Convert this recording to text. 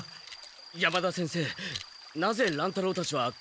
山田先生なぜ乱太郎たちはこんな所に？